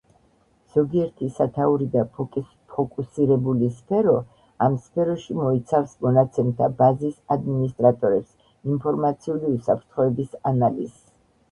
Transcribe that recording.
ზოგიერთი სათაური და ფოკუსირებული სფერო ამ სფეროში მოიცავს მონაცემთა ბაზის ადმინისტრატორებს, ინფორმაციული უსაფრთხოების ანალიზს